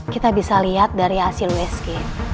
kita bisa lihat dari hasil usg